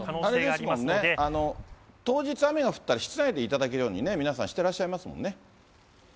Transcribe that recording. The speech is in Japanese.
あれですもんね、当日雨が降ったら、室内で頂けるように皆さん、していらっしゃいますものね。